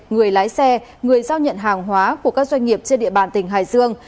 người lái xe người giao nhận hàng hóa của các doanh nghiệp trên địa bàn tỉnh hải dương